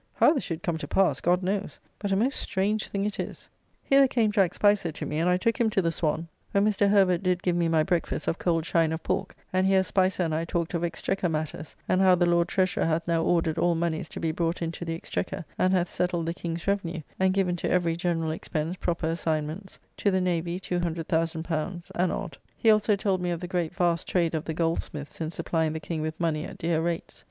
How this should come to pass, God knows, but a most strange thing it is! Hither came Jack Spicer to me, and I took him to the Swan, where Mr. Herbert did give me my breakfast of cold chine of pork; and here Spicer and I talked of Exchequer matters, and how the Lord Treasurer' hath now ordered all monies to be brought into the Exchequer, and hath settled the King's revenue, and given to every general expence proper assignments; to the Navy L200,000 and odd. He also told me of the great vast trade of the goldsmiths in supplying the King with money at dear rates.